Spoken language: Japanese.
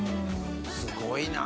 すごいな！